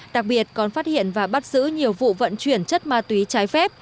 đặc biệt còn phát hiện và bắt giữ nhiều vụ vận chuyển chất ma túy trái phép